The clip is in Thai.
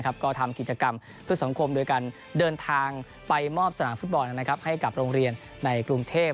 ก็ทำกิจกรรมเพื่อสังคมโดยการเดินทางไปมอบสนามฟุตบอลให้กับโรงเรียนในกรุงเทพ